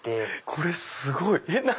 これすごい！